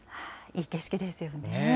いい景色ですよね。